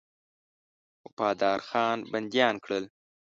وفادارخان بنديان کړل.